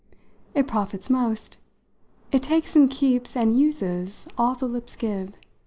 "It profits most. It takes and keeps and uses all the lips give.